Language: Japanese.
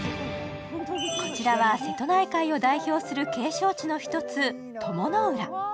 こちらは瀬戸内海を代表する景勝地の一つ鞆の浦。